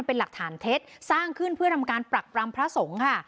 เป็นหลักฐานเท็จสร้างขึ้นเพื่อทำการปรักปรำพระสงฆ์ค่ะ